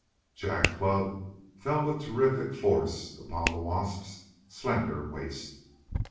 Jak's club fell with terrific force upon the wasp's slender waist.